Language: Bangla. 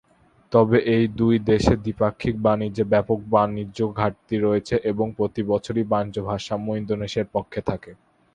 তবে, এই দুই দেশের দ্বিপাক্ষিক বাণিজ্যে ব্যাপক বাণিজ্য ঘাটতি রয়েছে এবং প্রতিবছরই বাণিজ্য ভারসাম্য ইন্দোনেশিয়ার পক্ষে থাকে।